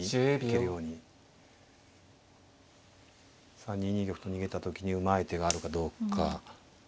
さあ２二玉と逃げた時にうまい手があるかどうか。